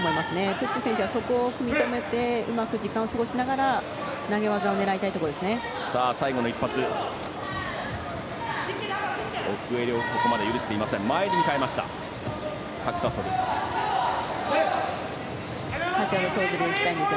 プップ選手はそこを食い止めてうまく時間を過ごしながら投げ技を狙いたいところです。